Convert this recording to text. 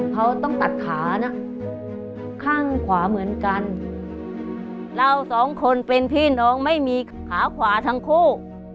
เขาต้องตัดขานะข้างขวาเหมือนกันเราสองคนเป็นพี่น้องไม่มีขาขวาทั้งคู่